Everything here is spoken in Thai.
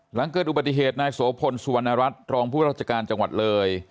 หลังเกิดอุบัติเหตุนายโสพลสุวรรณรัฐรองผู้ราชการจังหวัดเลย